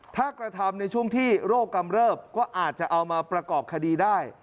ถ้ากระทำในช่วงที่โรคกำเริบก็อาจจะเอามาประกอบคดีได้